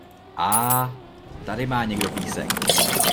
Áá, tady má někdo písek.